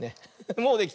もうできた。